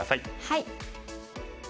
はい。